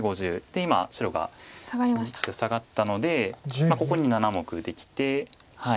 で今白がサガったのでここに７目できて。